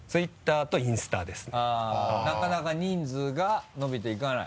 あぁなかなか人数が伸びていかない？